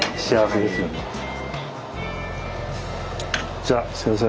じゃあすみません。